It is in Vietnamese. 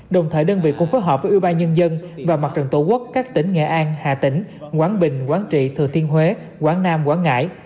đồng thời đơn vị cũng phối hợp với ủy ban nhân dân và mặt trận tổ quốc các tỉnh nghệ an hà tĩnh quảng bình quảng trị thừa thiên huế quảng nam quảng ngãi